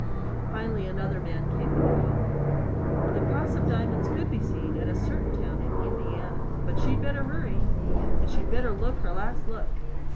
Finally another man came to the phone. "The Cross of Diamonds" could be seen at a certain town in Indiana. But she'd better hurry! And she'd better look her last look.